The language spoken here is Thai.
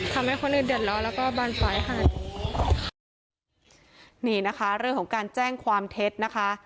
ทำให้คนอื่นเดือดร้อนแล้วก็บานปลายให้นี่นะคะเรื่องของการแจ้งความเท็จนะคะ